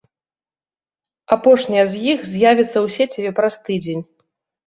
Апошняя з іх з'явіцца ў сеціве праз тыдзень.